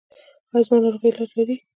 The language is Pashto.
ایا زما ناروغي علاج لري؟